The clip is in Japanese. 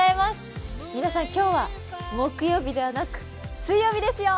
皆さん、今日は木曜日ではなく水曜日ですよ。